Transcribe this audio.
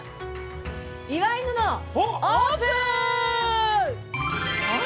祝い布、オープン！